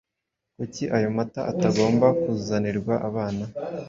Kuki ayo mata atagomba kuzanirwa abana.